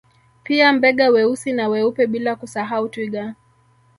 Pia Mbega weusi na weupe bila kusahau Twiga